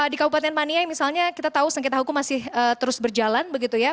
di kabupaten mania yang misalnya kita tahu sengketa hukum masih terus berjalan begitu ya